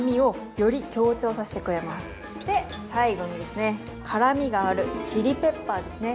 最後に辛みがある、チリペッパーですね。